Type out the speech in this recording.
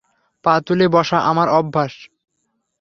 পা তুলে বসা আমার অভ্যাস।